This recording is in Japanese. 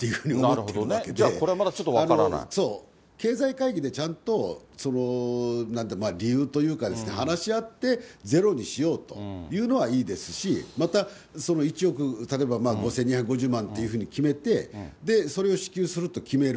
そう。経済会議でちゃんと、理由というか、話し合ってゼロにしようというのはいいですし、また１億、例えば５２５０万っていうふうに決めて、それを支給すると決める。